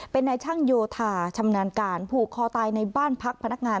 เป็นนายช่างโยธาชำนาญการผูกคอตายในบ้านพักพนักงาน